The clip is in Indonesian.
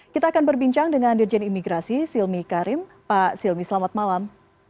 kita akan berbincang dengan dirjen imigrasi silmi karim pak silmi selamat malam